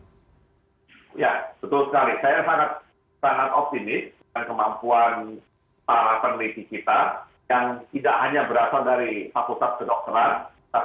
ya betul sekali saya sangat optimis pada kemampuan para peneliti kita